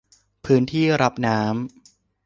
พื้นที่รับน้ำ